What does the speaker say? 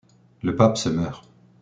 Le pape se meurt.